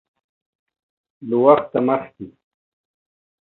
له وخت مخکې